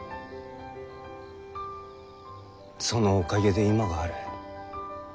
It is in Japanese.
そのおかげで今がある。